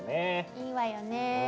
いいわよね。